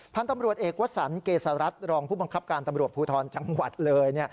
พตเอกวศรเกษรัตรรองค์ผู้บังคับการตำรวจภูทรจังหวัดเลย